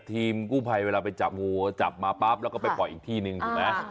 ทีมกู้ภัยเวลาไปจับงูจับมาปั๊บแล้วก็ไปปล่อยอีกที่หนึ่งถูกไหม